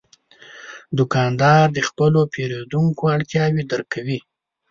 دوکاندار د خپلو پیرودونکو اړتیاوې درک کوي.